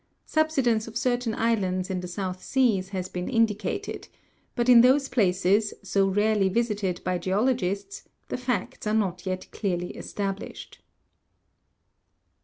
Subsidence of certain islands in the South Seas has been indicated ; but in those places, so rarely visited by geologists, the facts are not yet clearly established.